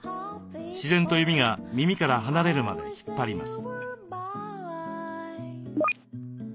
自然と指が耳から離れるまで引っ張ります。